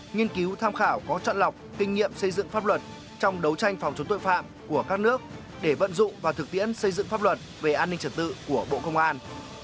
nghiên cứu tham khảo có trận lọc kinh nghiệm xây dựng pháp luật trong đấu tranh phòng chống tội phạm của các nước để vận dụng và thực tiễn xây dựng pháp luật về an ninh trật tự của bộ công an